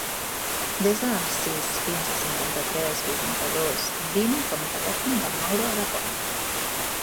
Desa el sis, quinze, cinquanta-tres, vuitanta-dos, vint com a telèfon del Mauro Alapont.